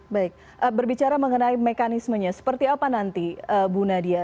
baik berbicara mengenai mekanismenya seperti apa nanti bu nadia